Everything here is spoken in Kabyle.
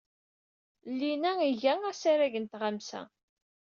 Llinna, iga asarag n tɣemsa.